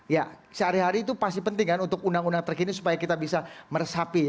ya sehari hari itu pasti penting kan untuk undang undang terkini supaya kita bisa meresapi